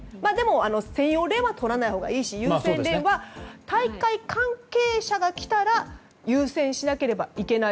専用レーンは通らないほうがいいし優先レーンは大会関係者が来たら優先しなければいけない。